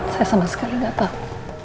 saya sama sekali nggak tahu